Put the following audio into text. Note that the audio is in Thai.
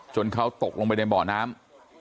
เขาตกลงไปในบ่อน้ำ